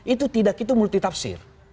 itu tidak itu multitapsir